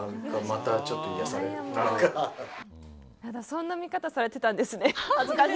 そんな見方、されてたんですね。